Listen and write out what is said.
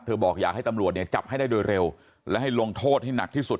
บอกอยากให้ตำรวจเนี่ยจับให้ได้โดยเร็วและให้ลงโทษให้หนักที่สุด